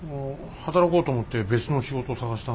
働こうと思って別の仕事探したんですけど。